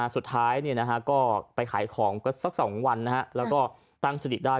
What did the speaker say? สุดท้ายก็ไปขายของก็สัก๒วันแล้วก็ตั้งสติได้